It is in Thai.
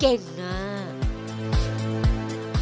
เก่งอ่ะ